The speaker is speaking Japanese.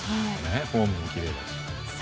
フォームもきれいで。